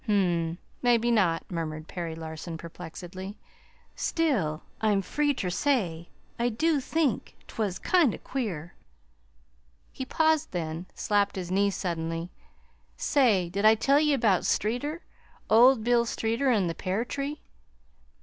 "Hm m, maybe not," murmured Perry Larson perplexedly. "Still, I'm free ter say I do think 't was kind o' queer." He paused, then slapped his knee suddenly. "Say, did I tell ye about Streeter Old Bill Streeter an' the pear tree?"